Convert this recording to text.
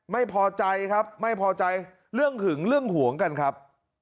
ไม่พอใจครับไม่พอใจเรื่องหึงเรื่องหวงกันครับ